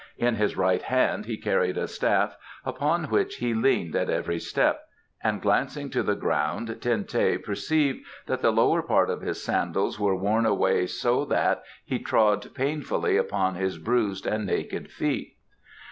In his right hand he carried a staff upon which he leaned at every step, and glancing to the ground Ten teh perceived that the lower part of his sandals were worn away so that he trod painfully upon his bruised and naked feet.